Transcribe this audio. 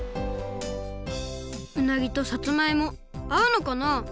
うなぎとさつまいもあうのかな？